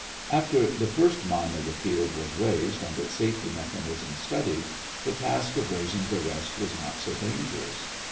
After the first mine of the field was raised and its safety mechanism studied, the task of raising the rest was not so dangerous.